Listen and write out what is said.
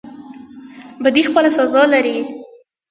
بدی خپل سزا لري